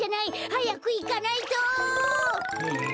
はやくいかないと！